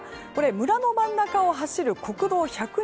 村の真ん中を走る国道１２０号。